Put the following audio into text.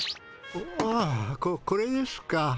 ああこれですか？